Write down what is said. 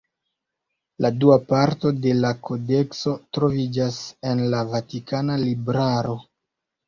La dua parto de la kodekso troviĝas en la Vatikana libraro.